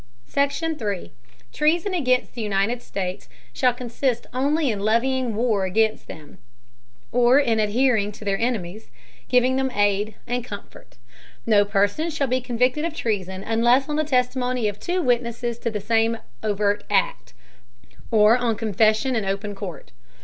SECTION. 3. Treason against the United States, shall consist only in levying War against them, or in adhering to their Enemies, giving them Aid and Comfort. No Person shall be convicted of Treason unless on the Testimony of two Witnesses to the same overt Act, or on Confession in open Court.